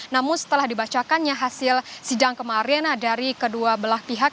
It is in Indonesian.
namun setelah dibacakannya hasil sidang kemarin dari kedua belah pihak